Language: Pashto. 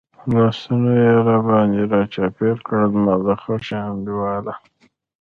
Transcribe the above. لاسونه یې را باندې را چاپېر کړل، زما خوږ انډیواله.